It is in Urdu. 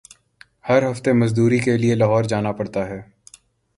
ہر ہفتے مزدوری کیلئے لاہور جانا پڑتا ہے۔